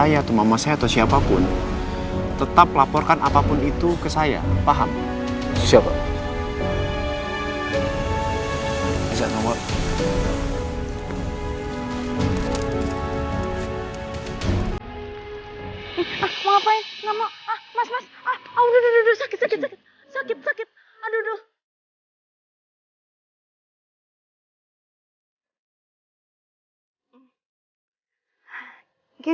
hai ah mau ngapain nama ah mas mas ah udah sakit sakit sakit sakit aduh